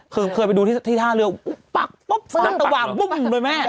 คือเคยไปดูที่ท่าเรือปักปุ๊บฟ้าสว่างบุ้งเลยแม่